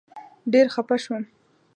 ډېر خپه شوم.